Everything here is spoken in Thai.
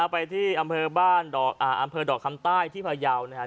ไปที่อำเภอดอกคำใต้ที่พระยาว